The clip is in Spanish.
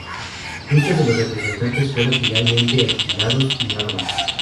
Muchos de los restantes fueron finalmente alquilados y nada más.